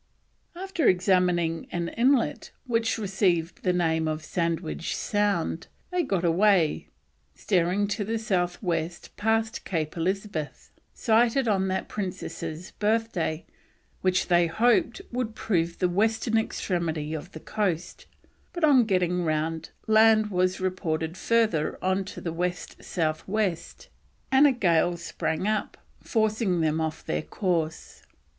After examining an inlet, which received the name of Sandwich Sound, they got away, steering to the south west past Cape Elizabeth, sighted on that Princess's birthday, which they hoped would prove the western extremity of the coast, but on getting round, land was reported further on to the west south west, and a gale sprang up, forcing them off their course.